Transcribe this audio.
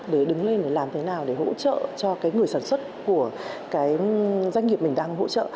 để đứng lên làm thế nào để hỗ trợ cho người sản xuất của doanh nghiệp mình đang hỗ trợ